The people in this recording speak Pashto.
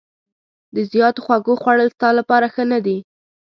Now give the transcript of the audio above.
د زیاتو خوږو خوړل ستا لپاره ښه نه دي.